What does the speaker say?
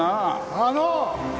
あの！